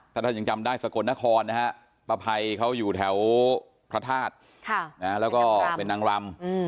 ถ้าท่านยังจำได้สกลนครนะฮะป้าภัยเขาอยู่แถวพระธาตุแล้วก็เป็นนางรำ